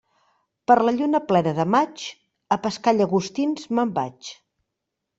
Per la lluna plena de maig, a pescar llagostins me'n vaig.